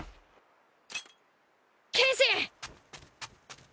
剣心！